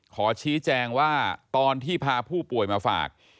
ขอชี้แจงว่าตอนที่พาผู้ป่วยมาฝาก